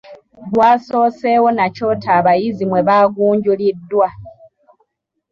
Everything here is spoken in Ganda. Gwasoosewo na kyoto abayizi mwe baabanguliddwa.